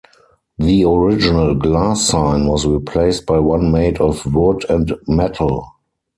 The original glass sign was replaced by one made of wood and metal.